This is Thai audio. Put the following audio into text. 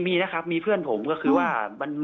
มีนะครับมีเพื่อนผมก็คือว่า